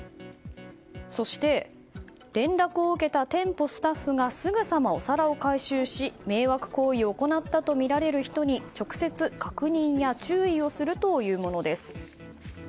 そして連絡を受けた店舗スタッフがすぐさまお皿を回収し迷惑行為を行ったとみられる人に直接、確認や注意をするというものです。